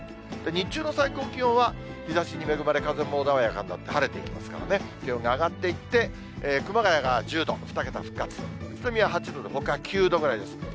日中の最高気温は、日ざしに恵まれ、風も穏やかになって晴れていきますからね、気温が上がっていって、熊谷が１０度、２桁復活、宇都宮８度で、ほか９度ぐらいです。